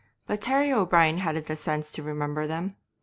But Terry O'Brien hadn't the sense to remember them.